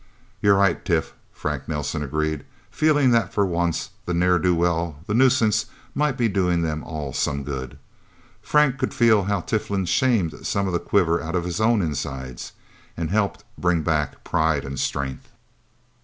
"You're right, Tif," Frank Nelsen agreed, feeling that for once the ne'er do well the nuisance might be doing them all some good. Frank could feel how Tiflin shamed some of the quiver out of his own insides, and helped bring back pride and strength.